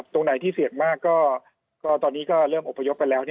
ตรงไหนที่เสี่ยงมากก็ตอนนี้ก็เริ่มอบพยพกันแล้ว